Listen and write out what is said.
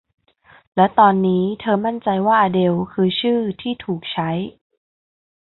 และตอนนี้เธอมั่นใจว่าอเดลคือชื่อที่ถูกใช้